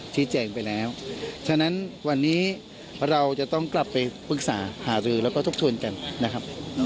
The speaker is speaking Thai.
แจ้งไปแล้วฉะนั้นวันนี้เราจะต้องกลับไปปรึกษาหารือแล้วก็ทบทวนกันนะครับ